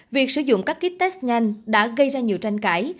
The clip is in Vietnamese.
việc sử dụng các ký test nhanh đã gây ra nhiều tranh cãi